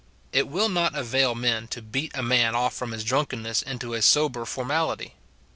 It will not avail to beat a man off from his drunkenness into a sober formality.